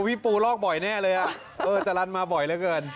โอ้พี่ปูลอกบ่อยแน่เลยจารันมาบ่อยเหลือเกิน